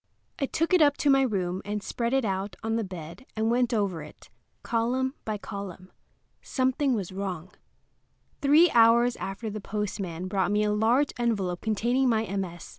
I took it up to my room and spread it out on the bed and went over it, column by column. Something was wrong. Three hours afterward the postman brought me a large envelope containing my MS.